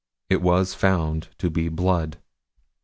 It was found to be blood.